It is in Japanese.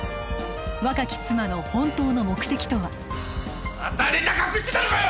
若き妻の本当の目的とはまたネタ隠してたのかよ！